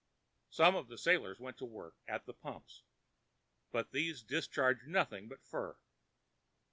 Some of the sailors went to work at the pumps, but these discharged nothing but fur.